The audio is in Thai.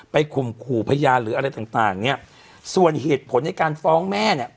ข่มขู่พยานหรืออะไรต่างต่างเนี้ยส่วนเหตุผลในการฟ้องแม่เนี่ย